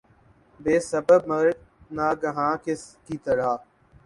بے سبب مرگ ناگہاں کی طرح